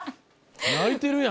泣いてるやん！